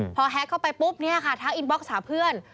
พอแฮ็กเข้าไปปุ๊บเนี่ยค่ะทักอินบ็อกซ์สาวเพื่อน